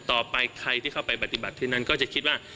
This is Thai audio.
ต่อไปใครที่เข้าไปปฏิบัติที่นั้นก็จะคิดว่า